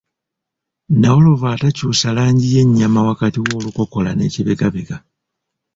Nawolovu atakyusa langi ye nnyama wakati w’olukokola n’ekibegabega.